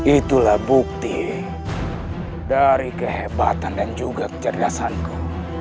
itulah bukti dari kehebatan dan juga kecerdasanku